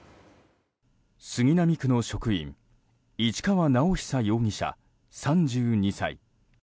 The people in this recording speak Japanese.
杉並区の職員市川直央容疑者、３２歳。